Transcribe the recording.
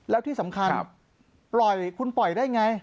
แล้วที่สำคัญปล่อยคุณปล่อยได้ไง